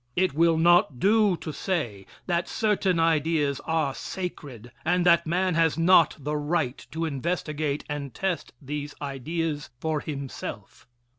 It will not do to say that certain ideas are sacred, and that man has not the right to investigate and test these ideas for himself.